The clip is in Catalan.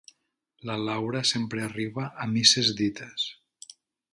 La Laura sempre arriba a misses dites.